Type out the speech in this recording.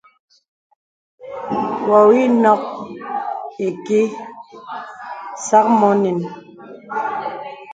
Wɔ wì nɔk ìkìì sàk mɔ nɛn.